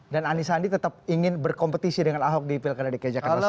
dan anies andi tetap ingin berkompetisi dengan ahok di pilkada dki jakarta sekarang ya